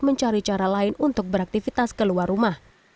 mencari cara lain untuk beraktivitas ke luar rumah